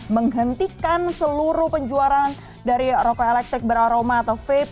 menghentikan seluruh penjualan dari rokok elektrik beraroma atau vape